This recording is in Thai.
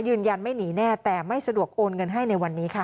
ยืนยันไม่หนีแน่แต่ไม่สะดวกโอนเงินให้ในวันนี้ค่ะ